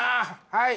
はい！